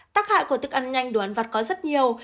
tác hại của thức ăn nhanh đồ ăn vặt có rất nhiều